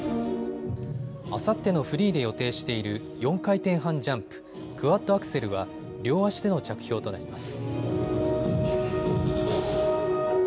あさってのフリーで予定している４回転半ジャンプ、クワッドアクセルは両足での着氷となります。